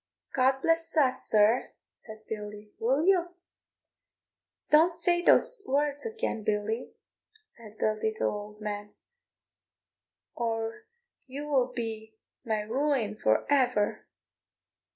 "God bless us, sir," said Billy; "will you?" "Don't say these words again, Billy," said the little old man, "or you will be my ruin for ever.